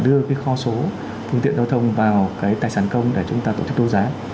đưa cái kho số phương tiện giao thông vào cái tài sản công để chúng ta tổ chức đấu giá